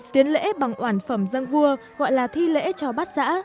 tiến lễ bằng oản phẩm dân vua gọi là thi lễ cho bắt giã